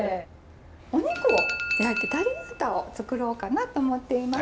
お肉を焼いてタリアータを作ろうかなと思っています！